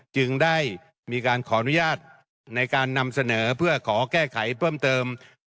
จึงได้มีการขออนุญาตในการนำเสนอเพื่อขอแก้ไขเพิ่มเติม